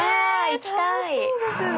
行きたい。